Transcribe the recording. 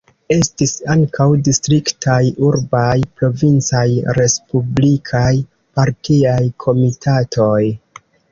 Estis ankaŭ distriktaj, urbaj, provincaj, respublikaj partiaj komitatoj.